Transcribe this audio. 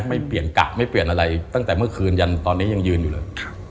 ไม่เปลี่ยนกะไม่เปลี่ยนอะไรตั้งแต่เมื่อคืนยันตอนนี้ยังยืนอยู่เลย